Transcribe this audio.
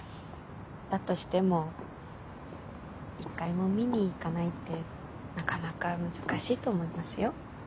だとしても一回も見に行かないってなかなか難しいと思いますよ。